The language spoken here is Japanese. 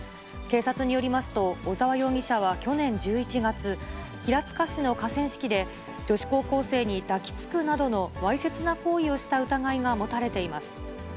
警察によりますと、小沢容疑者は去年１１月、平塚市の河川敷で、女子高校生に抱きつくなどのわいせつな行為をした疑いが持たれています。